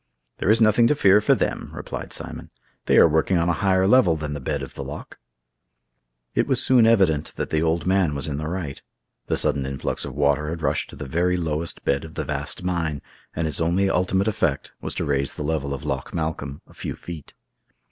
"There is nothing to fear for them," replied Simon; "they are working on a higher level than the bed of the loch." It was soon evident that the old man was in the right. The sudden influx of water had rushed to the very lowest bed of the vast mine, and its only ultimate effect was to raise the level of Loch Malcolm a few feet.